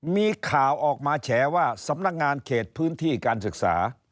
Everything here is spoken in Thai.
มีข่าวออกมาแฉว่าสำนักงานเขตพื้นที่การศึกษา